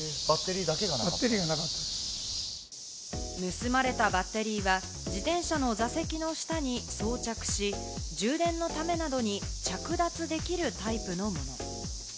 盗まれたバッテリーは自転車の座席の下に装着し、充電のためなどに着脱できるタイプのもの。